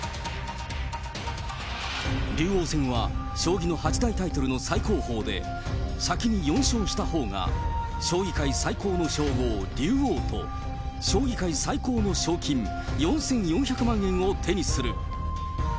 竜王戦は、将棋の八大タイトルの最高峰で、先に４勝したほうが、将棋界最高の称号、竜王と将棋界最高の賞金４４００万円を手にする。